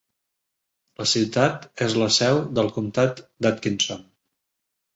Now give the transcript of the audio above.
La ciutat és la seu del Comtat d'Atkinson.